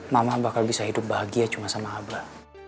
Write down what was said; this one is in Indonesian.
mama bakal bisa hidup bahagia cuma sama abra